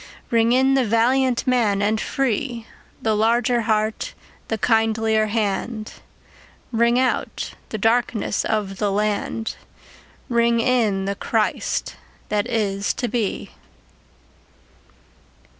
Ring in the valiant man and free, The larger heart, the kindlier hand; Ring out the darkenss of the land, Ring in the Christ that is to be.